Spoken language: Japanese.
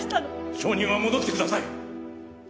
証人は戻ってください！